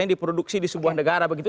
yang diproduksi di sebuah negara begitu